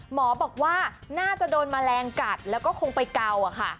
หมอบอกว่าน่าจะโดนแมลงกัดแล้วก็คงไปเกาอะค่ะ